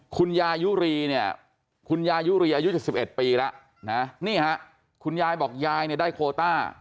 คุณยายุรีเนี่ยคุณยายุรีอายุจะ๑๑ปีแล้วคุณยายบอกยายได้โคต้า